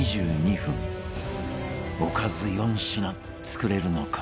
おかず４品作れるのか？